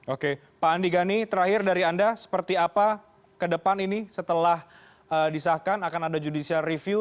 oke pak andi gani terakhir dari anda seperti apa ke depan ini setelah disahkan akan ada judicial review